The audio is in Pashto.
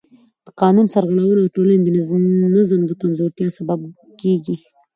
د قانون سرغړونه د ټولنې د نظم د کمزورتیا سبب کېږي